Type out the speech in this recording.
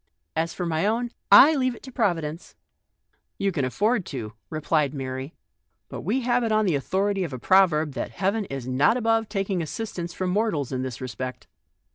As for my own, I leave it to Providence." " You can afford to," replied Mary, " but we have it on the authority of a proverb 64 THE STORY OF A MODERN WOMAN. that Heaven is not above taking assistance from mortals in this respect."